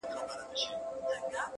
له هغه وخته مو خوښي ليدلې غم نه راځي ـ